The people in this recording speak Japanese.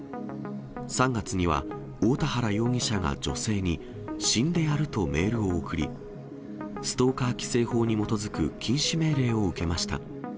３月には、大田原容疑者が女性に、死んでやるとメールを送り、ストーカー規制法に基づく禁止命令を受けました。